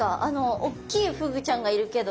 おっきいフグちゃんがいるけど。